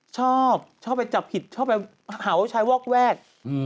ชอบชอบไปจับผิดชอบไปหาว่าชายวอกแวก